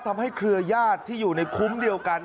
ทำให้เครือยาถที่อยู่ในคุมเดียวกัน